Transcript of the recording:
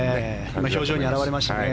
今、表情に表れましたね。